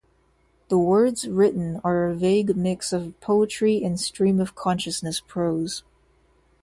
The words written are a vague mix of poetry and stream of consciousness prose.